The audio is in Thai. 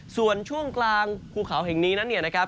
ส่วนช่วงกลางภูเขาเห่งนี้นะครับ